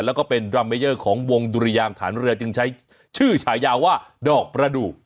แล้วก็เป็นดรัมเมเยอร์ของวงดุรยางฐานเรือจึงใช้ชื่อฉายาว่าดอกประดูก